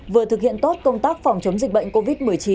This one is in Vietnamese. vừa thực hiện tốt công tác phòng chống dịch bệnh covid một mươi chín